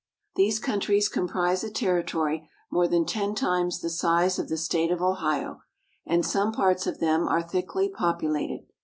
These countries comprise a territory more than ten times the size of the state of Ohio, and some parts of them are thickly populated.